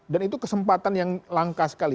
dan itu kesempatan yang langka sekali